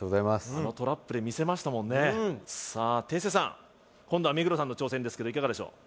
あのトラップでみせましたもんねさあテセさん今度は目黒さんの挑戦ですけどいかがでしょう？